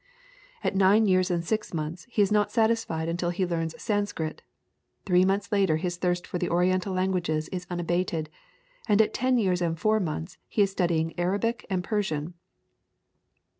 At nine years and six months he is not satisfied until he learns Sanscrit; three months later his thirst for the Oriental languages is unabated, and at ten years and four months he is studying Arabic and Persian.